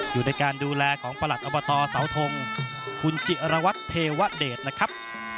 อยู่ในการดูแลของประหลัดอบตเสาทงคุณจิรวัตรเทวะเดชนะครับ